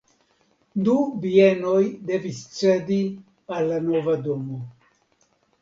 Du bienoj devis cedi al la nova domo.